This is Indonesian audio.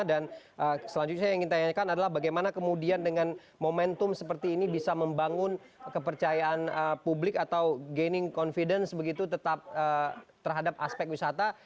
dan selanjutnya yang ingin ditanyakan adalah bagaimana kemudian dengan momentum seperti ini bisa membangun kepercayaan publik atau gaining confidence begitu tetap terhadap aspek wisata